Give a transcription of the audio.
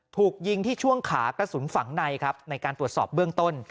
ถูกยิงที่ช่วงขากระสุนฝังในครับในการตรวจสอบเบื้องต้น